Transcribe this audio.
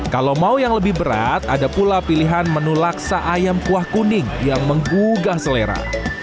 kalau mau yang lebih berat ada pula pilihan menu laksa ayam kuah kuning yang menggugah selera